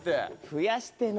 増やしての。